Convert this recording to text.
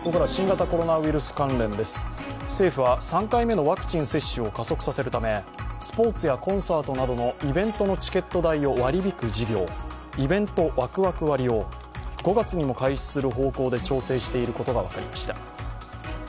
政府は新型コロナワクチンの３回目接種を加速させるため、スポーツやコンサートなどのイベントのチケット代を割り引く事業、イベントワクワク割を５月にも開始する方向で調整していることが分かりました。